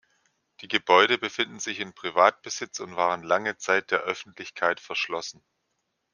Die Gebäude befinden sich in Privatbesitz und waren lange Zeit der Öffentlichkeit verschlossen.